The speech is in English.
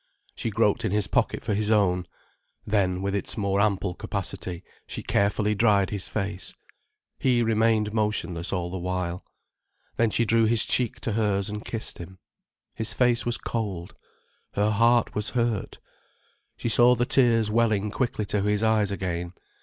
She groped in his pocket for his own. Then, with its more ample capacity, she carefully dried his face. He remained motionless all the while. Then she drew his cheek to hers and kissed him. His face was cold. Her heart was hurt. She saw the tears welling quickly to his eyes again.